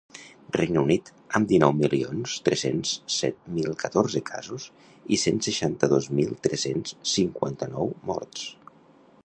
Regne Unit, amb dinou milions tres-cents set mil catorze casos i cent seixanta-dos mil tres-cents cinquanta-nou morts.